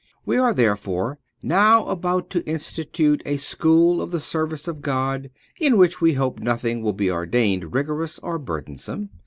We are therefore now about to institute a school of the service of God; in which we hope nothing will be ordained rigorous or burdensome.